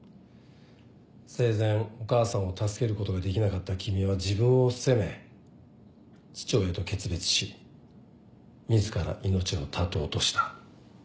生前お母さんを助けることができなかった君は自分を責め父親と決別し自ら命を絶とうとした。